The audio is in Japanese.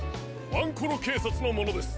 ワンコロけいさつのものです！